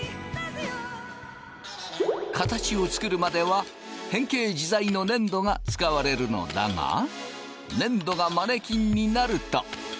形を作るまでは変形自在の粘土が使われるのだが粘土がマネキンになると。